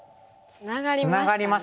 ツナがりましたよね。